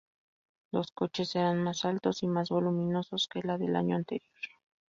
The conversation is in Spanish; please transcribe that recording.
Los coches eran más altos y más voluminoso que la del año anterior.